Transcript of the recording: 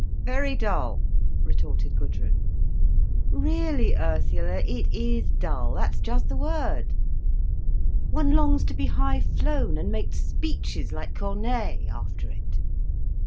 "Very dull!" retorted Gudrun. "Really Ursula, it is dull, that's just the word. One longs to be high flown, and make speeches like Corneille, after it."